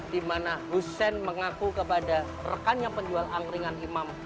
di mana hussein mengaku kepada rekannya penjual angkringan imam